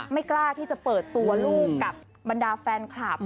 กล้าที่จะเปิดตัวลูกกับบรรดาแฟนคลับ